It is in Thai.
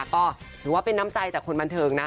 ก็ถือว่าเป็นน้ำใจจากคนบันเทิงนะ